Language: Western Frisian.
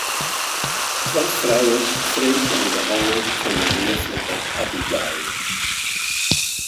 Twa frijers freegje om de hân fan de leaflike Abigail.